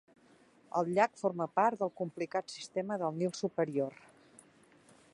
El llac forma part del complicat sistema del Nil superior.